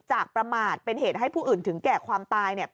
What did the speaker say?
ประมาทเป็นเหตุให้ผู้อื่นถึงแก่ความตายเนี่ย